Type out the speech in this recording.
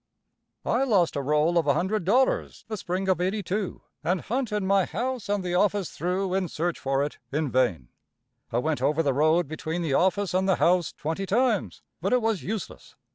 I lost a roll of a hundred dollars the spring of '82, and hunted my house and the office through, in search for it, in vain. I went over the road between the office and the house twenty times, but it was useless.